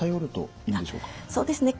そうですね